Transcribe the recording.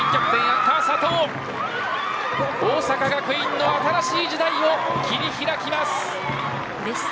大阪学院の新しい時代を切り開きます。